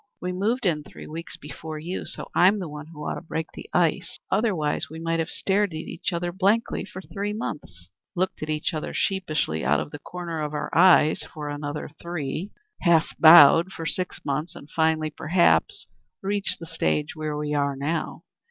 We moved in three weeks before you, so I'm the one who ought to break the ice. Otherwise we might have stared at each other blankly for three months, looked at each other sheepishly out of the corner of our eyes for another three, half bowed for six months, and finally, perhaps, reached the stage where we are now.